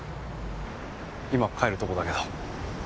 今帰るとこだけど。